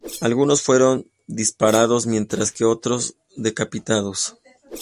Algunos fueron disparados, mientras que otros decapitados.